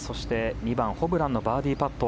２番、ホブランバーディーパット。